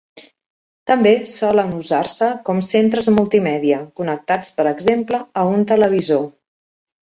També solen usar-se com centres multimèdia, connectats per exemple a un televisor.